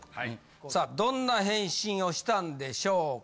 さあどんな返信をしたんでしょうか？